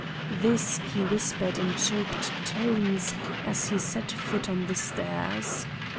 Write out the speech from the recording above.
This he whispered in choked tones as he set foot on the stairs.